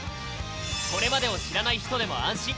これまでを知らない人でも安心。